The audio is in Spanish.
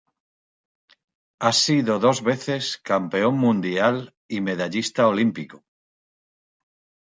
Ha sido dos veces campeón mundial y medallista olímpico.